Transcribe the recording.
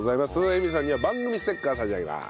恵美さんには番組ステッカー差し上げまーす。